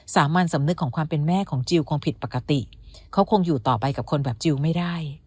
สามัญสำนึกของความเป็นแม่ของจิลคงผิดปกติเขาคงอยู่ต่อไปกับคนแบบจิลไม่ได้